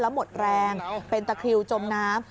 แล้วหมดแรงเป็นตะคริวจมน้ำ